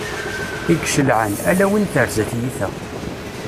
I icelɛan, ala win terza tyita.